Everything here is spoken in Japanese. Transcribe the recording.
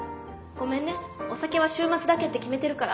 ごめんねお酒は週末だけって決めてるから。